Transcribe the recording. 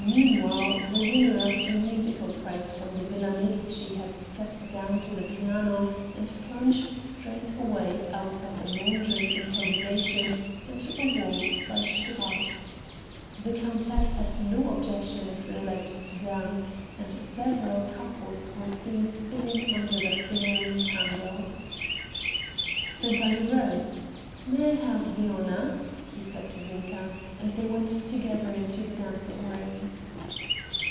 Meanwhile the winner of the musical prize from the Villa Medici had sat down to the piano and plunged straightway out of a maundering improvisation into a waltz by Strauss. The countess had no objection if they liked to dance, and several couples were soon spinning under the flaring candles. Sempaly rose: "May I have the honor?" he said to Zinka, and they went together into the dancing room.